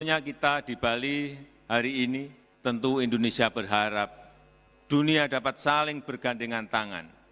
tentunya kita di bali hari ini tentu indonesia berharap dunia dapat saling bergandengan tangan